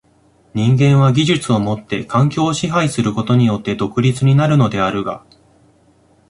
人間は技術をもって環境を支配することによって独立になるのであるが、